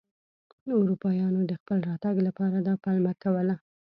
اروپایانو د خپل راتګ لپاره دا پلمه کوله.